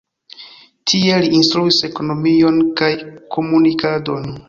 Tie li instruis ekonomion kaj komunikadon.